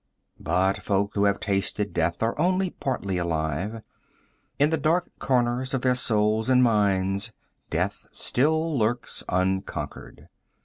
But folk who have tasted death are only partly alive. In the dark corners of their souls and minds death still lurks unconquered.